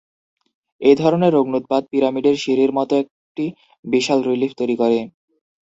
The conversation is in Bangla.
এই ধরনের অগ্ন্যুৎপাত পিরামিডের সিঁড়ির মতো একটি বিশাল রিলিফ তৈরি করে।